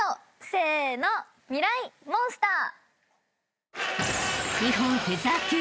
せのミライ☆モンスター。